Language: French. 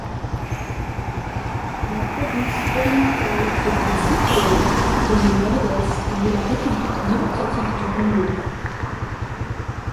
La Province orientale était située dans le Nord-Est de la république démocratique du Congo.